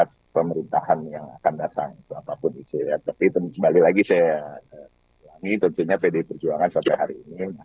tentunya kita harus bisa mempelajari